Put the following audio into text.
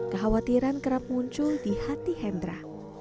kekhawatiran kerap muncul di hati hendra